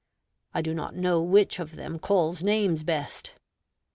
I do not know which of them calls names best."